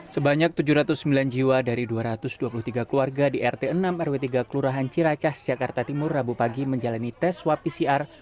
sebanyak tujuh ratus sembilan jiwa dari dua ratus dua puluh tiga keluarga di rt enam rw tiga kelurahan ciracas jakarta timur rabu pagi menjalani tes swab pcr